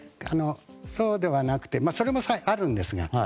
そうではなくてそれもあるんですが